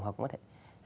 hoặc cũng có thể